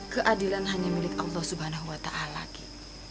keadilan hanya milik allah swt lagi